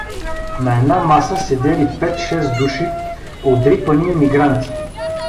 На една маса седели пет-шест души одрипани емигранти.